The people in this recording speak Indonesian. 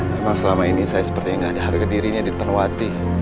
memang selama ini saya sepertinya gak ada harga dirinya di depan wati